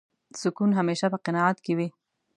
سکون همېشه په قناعت کې وي.